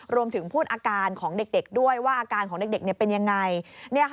พูดอาการของเด็กด้วยว่าอาการของเด็กเป็นยังไง